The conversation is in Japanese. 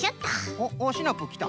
おっシナプーきた。